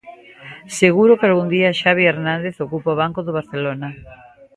Seguro que algún día Xavi Hernández ocupa o banco do Barcelona.